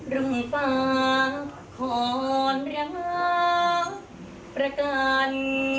รุ่งฟ้าขอนรักประกัน